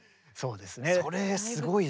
それすごいですね。